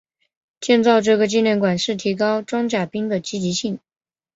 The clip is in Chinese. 建造这个纪念馆是提高装甲兵的积极性。